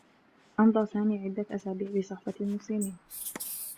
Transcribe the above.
أمضى سامي عدّة أسابيع بصحبة مسلمين.